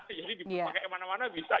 jadi dipakai kemana mana bisa